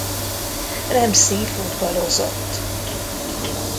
Ramsay futballozott.